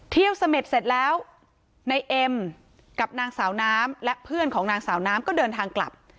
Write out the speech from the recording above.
เสม็ดเสร็จแล้วในเอ็มกับนางสาวน้ำและเพื่อนของนางสาวน้ำก็เดินทางกลับ